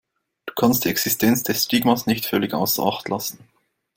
Du kannst die Existenz des Stigmas nicht völlig außer Acht lassen.